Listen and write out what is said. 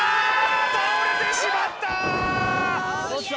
倒れてしまった！